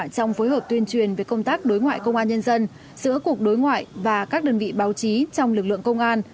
trong phối hợp tuyên truyền về công tác đối ngoại công an nhân dân giữa cục đối ngoại và các đơn vị báo chí trong lực lượng công an